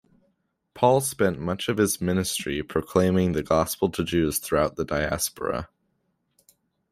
Paul spent much of his ministry proclaiming the Gospel to Jews throughout the diaspora.